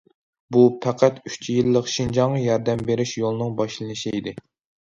بۇ پەقەت ئۈچ يىللىق شىنجاڭغا ياردەم بېرىش يولىنىڭ باشلىنىشى ئىدى.